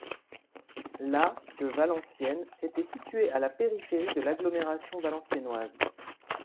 La de Valenciennes était située à la périphérie de l'agglomération valenciennoise.